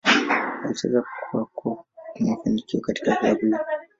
Alicheza kwa kwa mafanikio katika klabu hiyo.